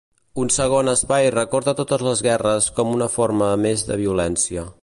Un segon espai recorda totes les guerres com una forma més de violència.